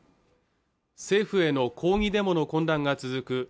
政府への抗議デモの混乱が続く